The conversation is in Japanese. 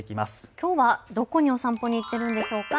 きょうはどこへお散歩に行っているのでしょうか。